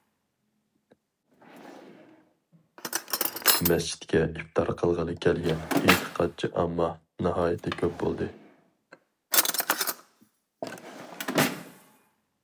مەسچىتكە ئىپتار قىلغىلى كەلگەن ئېتىقادچى ئامما ناھايىتى كۆپ بولدى.